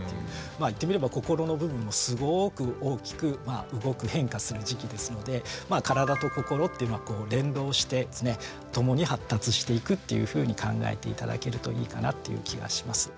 言ってみれば心の部分もすごく大きくまあ動く変化する時期ですので体と心っていうのは連動して共に発達していくっていうふうに考えて頂けるといいかなっていう気がします。